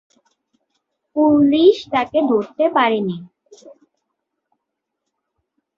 Police তাঁকে ধরতে পারেনি।